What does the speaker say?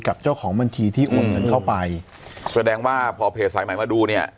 กับเจ้าของบัญชีที่โอนเงินเข้าไปแสดงว่าพอเพจสายใหม่มาดูเนี่ย